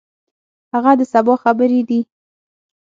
هغه د سبا خبرې دي.